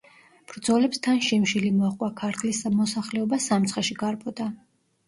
ბრძოლებს თან შიმშილი მოჰყვა, ქართლის მოსახლეობა სამცხეში გარბოდა.